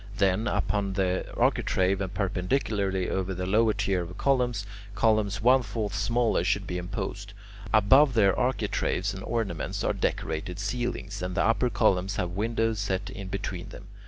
Then, above the architrave and perpendicularly over the lower tier of columns, columns one fourth smaller should be imposed. Above their architraves and ornaments are decorated ceilings, and the upper columns have windows set in between them.